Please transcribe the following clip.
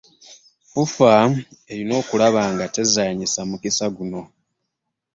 FUFA erina kulaba nga tezannyisa mukisa guno